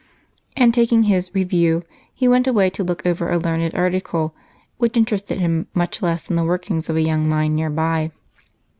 And taking his Review, he went away to look over a learned article which interested him much less than the workings of a young mind nearby.